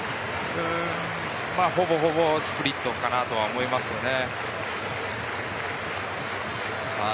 ほぼほぼスプリットかなと思いますね。